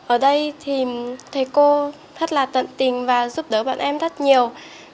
ở đây thì thầy cô rất là tận tình và giúp đỡ bọn em rất nhiều